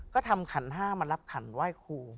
ก็ทำขันห้ามารับขันไหว้ครู